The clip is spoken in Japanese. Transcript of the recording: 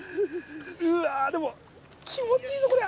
うわでも気持ちいいぞこりゃ。